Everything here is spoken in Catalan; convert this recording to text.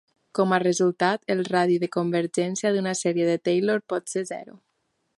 Com a resultat, el radi de convergència d'una sèrie de Taylor pot ser zero.